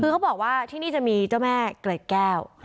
คือเขาบอกว่าที่นี่จะมีเจ้าแม่เกล็ดแก้ว